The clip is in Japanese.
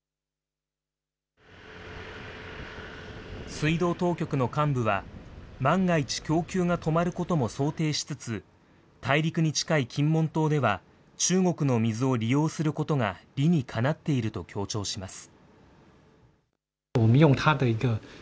水道当局の幹部は、万が一、供給が止まることも想定しつつ、大陸に近い金門島では、中国の水を利用することが理にかなっていると強調します。